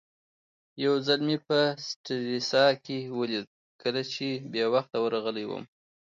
یو ځل مې په سټریسا کې ولید کله چې بې وخته ورغلی وم.